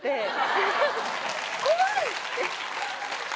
怖い！って。